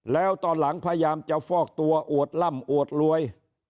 แล้วตอนหลังพยายามจะฟอกตัวอวดล่ำอวดรวย